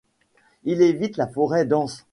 Il évite la forêt dense.